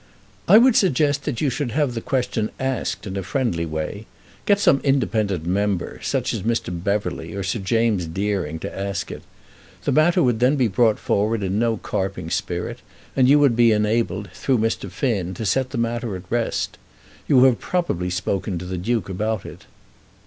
"I would suggest that you should have the question asked in a friendly way. Get some independent member, such as Mr. Beverley or Sir James Deering, to ask it. The matter would then be brought forward in no carping spirit, and you would be enabled, through Mr. Finn, to set the matter at rest. You have probably spoken to the Duke about it."